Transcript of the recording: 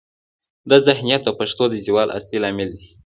دا ذهنیت د پښتو د زوال اصلي لامل دی.